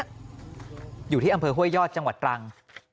อยู่ที่อำเภอห้วยยอดจังหวัดตรัง